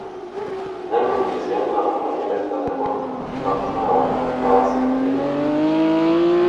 Finalmente, ese año, la compañía Elektra Records lanzó una grabación titulada "Symphony No.